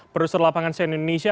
perusahaan lapangan sien indonesia